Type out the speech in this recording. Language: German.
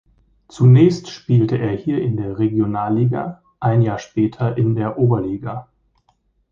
Zunächst spielte er hier in der Regionalliga, ein Jahr später in der Oberliga.